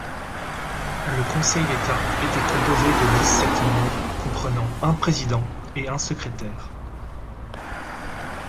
Le Conseil d'État était composé de dix-sept membres, comprenant un président et un secrétaire.